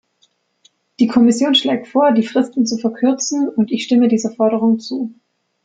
Die Kommission schlägt vor, die Fristen zu verkürzen, und ich stimme dieser Forderung zu.